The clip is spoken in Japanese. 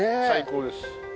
最高です。